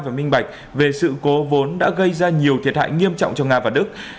và minh bạch về sự cố vốn đã gây ra nhiều thiệt hại nghiêm trọng cho nga và đức